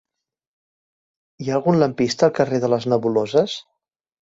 Hi ha algun lampista al carrer de les Nebuloses?